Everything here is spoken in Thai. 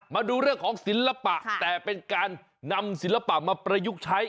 มาดูเรื่องของศิลปะแต่เป็นการนำศิลปะมาประยุกต์ใช้